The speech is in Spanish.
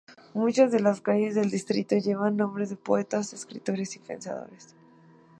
Muchas de las calles del distrito llevan nombres de poetas, escritores y pensadores.